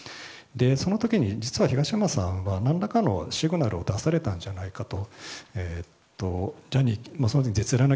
その時に実は東山さんは何らかのシグナルを出されたんじゃないかなと。